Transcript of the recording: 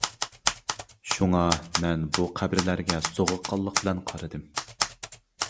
شۇڭا مەن بۇ قەبرىلەرگە سوغۇققانلىق بىلەن قارىدىم.